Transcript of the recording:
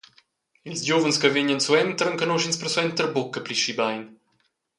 Ils giuvens che vegnan suenter enconusch’ins persuenter buca pli schi bein.